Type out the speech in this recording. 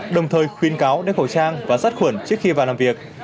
đồng thời khuyên cáo đánh khẩu trang và sát khuẩn trước khi vào làm việc